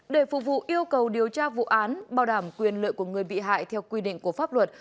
để phục vụ yêu cầu điều tra vụ án bảo đảm quyền lợi của người bị hại theo quy định của pháp luật